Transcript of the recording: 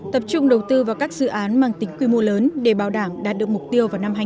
tập trung đầu tư vào các dự án mang tính quy mô lớn để bảo đảm đạt được mục tiêu vào năm hai nghìn ba mươi